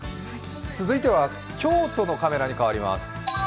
続いては京都のカメラにかわります。